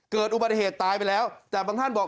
เกิดอุบัติเหตุตายไปแล้วแต่บางท่านบอก